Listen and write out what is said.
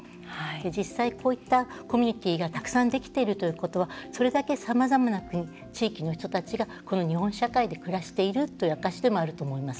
実際、こうしたコミュニティーがたくさんできているということはそれだけ、さまざまな国地域の人たちがこの日本社会に暮らしているという証しでもあると思います。